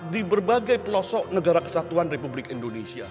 di berbagai pelosok negara kesatuan republik indonesia